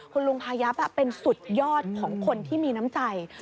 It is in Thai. คุณลุงพายับเป็นสุดยอดของคนที่มีน้ำใจ